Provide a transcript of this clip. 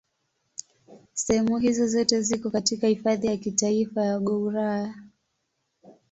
Sehemu hizo zote ziko katika Hifadhi ya Kitaifa ya Gouraya.